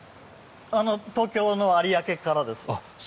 東京の有明からです。